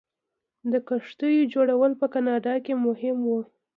د کښتیو جوړول په کاناډا کې مهم و.